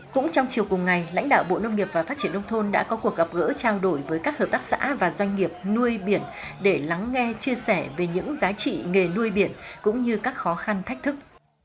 cũng trong chiều cùng ngày lãnh đạo bộ nông nghiệp và phát triển nông thôn đã có cuộc gặp gỡ trao đổi với các hợp tác xã và doanh nghiệp nuôi biển để lắng nghe chia sẻ về những giá trị nghề nuôi biển cũng như các khó khăn thách thức